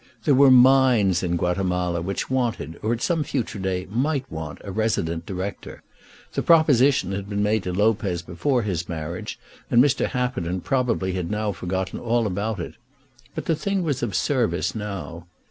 There were mines in Guatemala which wanted, or at some future day might want, a resident director. The proposition had been made to Lopez before his marriage, and Mr. Happerton probably had now forgotten all about it; but the thing was of service now.